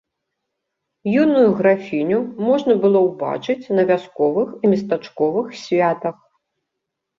Юную графіню можна было ўбачыць на вясковых і местачковых святах.